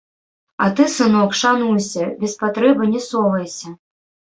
А ты, сынок, шануйся, без патрэбы не совайся.